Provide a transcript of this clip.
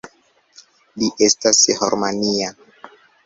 Li estas harmonia.